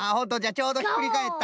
ちょうどひっくりかえった。